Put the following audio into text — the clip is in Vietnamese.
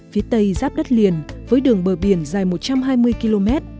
phía tây giáp đất liền với đường bờ biển dài một trăm hai mươi km